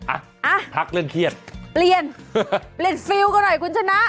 อ่ะพักเรื่องเครียดเปลี่ยนเปลี่ยนเปลี่ยนฟิลกันหน่อยคุณชนะ